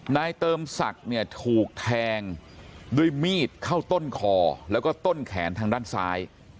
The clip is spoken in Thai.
นายเติมศักดิ์เนี่ยถูกแทงด้วยมีดเข้าต้นคอแล้วก็ต้นแขนทางด้านซ้าย